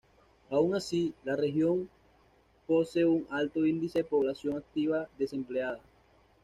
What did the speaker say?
Aun así, la región pose un alto índice de población activa desempleada.